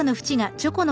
チョコを。